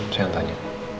saya yang tanya